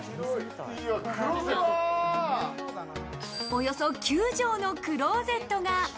およそ９畳のクローゼットが。